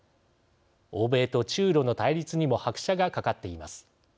欧米と中ロの対立にも拍車がかかっています。